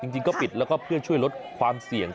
จริงก็ปิดแล้วก็เพื่อช่วยลดความเสี่ยง